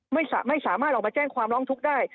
ไม่สามารถออกมาแจ้งความร้องทุกข์ได้